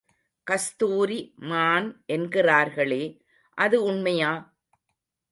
கஸ்தூரி மான் என்கிறார்களே, அது உண்மையா?